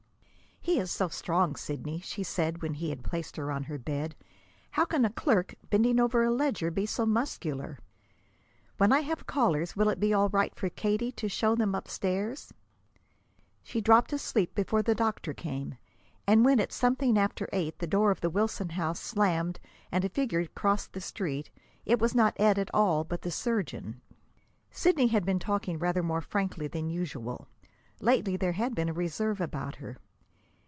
"He is so strong, Sidney!" she said, when he had placed her on her bed. "How can a clerk, bending over a ledger, be so muscular? When I have callers, will it be all right for Katie to show them upstairs?" She dropped asleep before the doctor came; and when, at something after eight, the door of the Wilson house slammed and a figure crossed the street, it was not Ed at all, but the surgeon. Sidney had been talking rather more frankly than usual. Lately there had been a reserve about her.